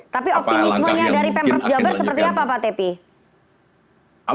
tapi optimismenya dari pemprov jabar seperti apa pak tepi